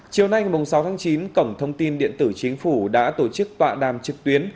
chiều nay sáu tháng chín cổng thông tin điện tử chính phủ đã tổ chức tọa đàm trực tuyến